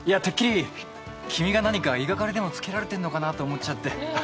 てっきり君が何か言い掛かりでもつけられてるのかなと思っちゃって。